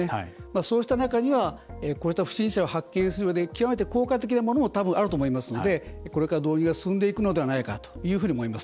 そうした中にはこうした不審者を発見するうえで極めて効果的なものもたぶんあると思いますのでこれから導入が進んでいくのではないかというふうに思います。